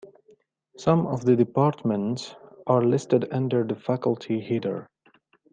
Some of the departments are listed under the faculty header.